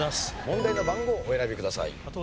問題の番号をお選びください。